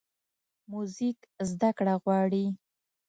موزیک زدهکړه غواړي.